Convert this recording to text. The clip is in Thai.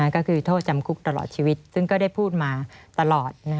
ก็คือโทษจำคุกตลอดชีวิตซึ่งก็ได้พูดมาตลอด